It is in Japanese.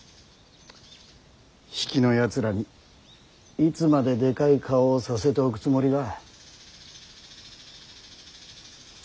比企のやつらにいつまででかい顔をさせておくつもりだ。